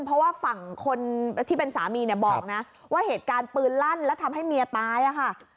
เพราะว่าฝั่งคนที่เป็นสามีเนี่ยบอกนะว่าเหตุการณ์ปืนลั่นแล้วทำให้เมียตายอะค่ะ